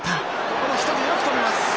ここも１人でよく止めます。